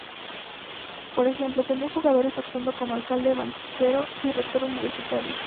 Por ejemplo, tenía jugadores actuando como alcalde, banquero y rector universitario.